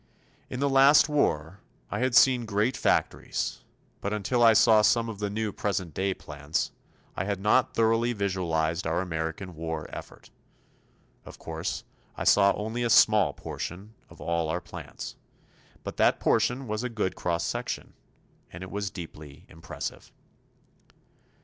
In the last war, I had seen great factories; but until I saw some of the new present day plants, I had not thoroughly visualized our American war effort. Of course, I saw only a small portion of all our plants, but that portion was a good cross section, and it was deeply impressive.